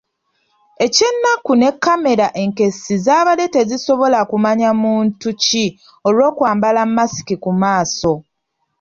Eky'ennaku ne kamera enkessi zaabadde tezisobola kumanya muntu ki olw'okwambala masiki ku maaso.